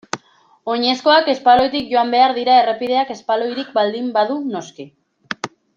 Oinezkoak espaloitik joan behar dira errepideak espaloirik baldin badu noski.